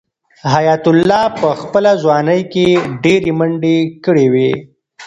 حیات الله په خپله ځوانۍ کې ډېرې منډې کړې وې.